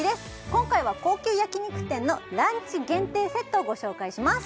今回は高級焼肉店のランチ限定セットをご紹介します